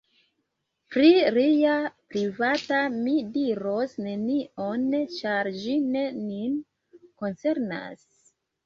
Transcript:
Pri lia privata mi diros nenion; ĉar ĝi ne nin koncernas.